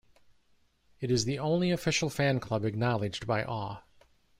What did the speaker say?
It is the only official fan club acknowledged by Aw.